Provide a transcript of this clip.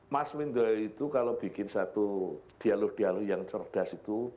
mas windo itu kalau bikin satu dialog dialog yang cerdas itu